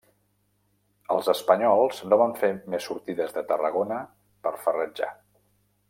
Els espanyols no van fer més sortides de Tarragona per farratjar.